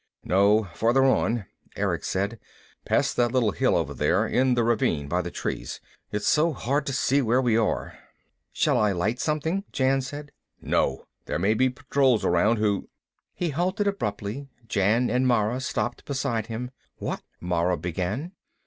"No. Farther on," Erick said. "Past that little hill over there. In the ravine, by the trees. It's so hard to see where we are." "Shall I light something?" Jan said. "No. There may be patrols around who " He halted abruptly. Jan and Mara stopped beside him. "What " Mara began.